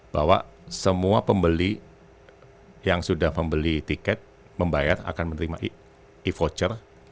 bahwa semua pembeli yang sudah membeli tiket membayar akan menerima e voucher